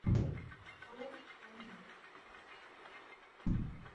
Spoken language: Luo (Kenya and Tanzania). Nyaka warit ler mondo kik wadonj e tuoche.